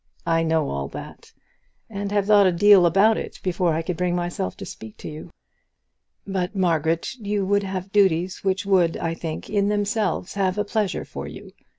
I know all that, and have thought a deal about it before I could bring myself to speak to you. But, Margaret, you would have duties which would, I think, in themselves, have a pleasure for you.